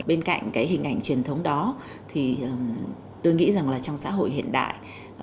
bên cạnh cái hình ảnh truyền thống đó thì tôi nghĩ rằng là trong xã hội hiện đại